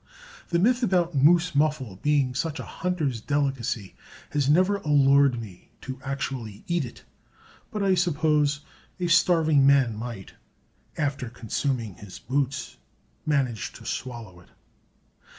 The myth about moose muffle being such a hunters' delicacy has never allured me to actually eat it, but I suppose a starving man might, after consuming his boots, manage to swallow it.